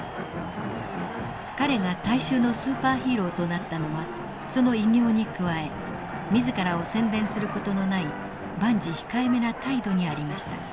彼が大衆のスーパーヒーローとなったのはその偉業に加え自らを宣伝する事のない万事控えめな態度にありました。